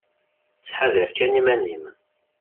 Tthadar kan iman-im.